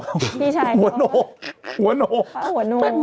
พี่ชายหัวโน